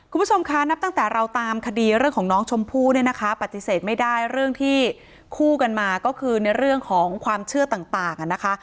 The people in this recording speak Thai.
คุณผู้ชมคะนับตั้งแต่เราตามคดีเรื่องของน้องชมพู่เนี่ยนะคะปฏิเสธไม่ได้เรื่องที่คู่กันมาก็คือในเรื่องของความเชื่อต่างนะคะ